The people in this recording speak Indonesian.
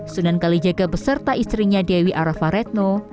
sunan kalijaga beserta istrinya dewi arafa retno